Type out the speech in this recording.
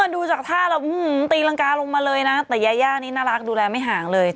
ดูจากท่าแล้วตีรังกาลงมาเลยนะแต่ยาย่านี่น่ารักดูแลไม่ห่างเลย